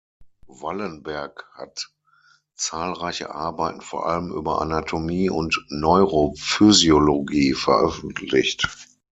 Wallenberg hat zahlreiche Arbeiten vor allem über Anatomie und Neurophysiologie veröffentlicht.